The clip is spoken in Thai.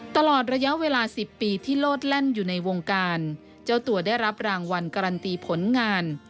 ตลอดระยะเวลา๑๐ปีที่โลดแล่นอยู่ในวงการเจ้าตัวได้รับรางวัลการันตีผลงาน